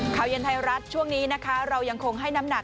ข่าวเย็นไทยรัฐช่วงนี้นะคะเรายังคงให้น้ำหนัก